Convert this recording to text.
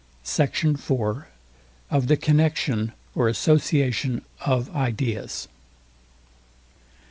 SECT. IV. OF THE CONNEXION OR ASSOCIATION OF IDEAS.